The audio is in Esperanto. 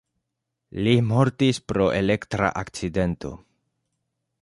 Li mortis pro elektra akcidento.